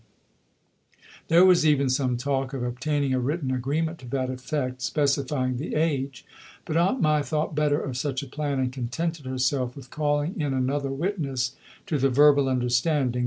There was even some talk of obtaining a written agreement to that effect, specifying the age; but Aunt Mai thought better of such a plan, and contented herself with calling in another witness to the verbal understanding.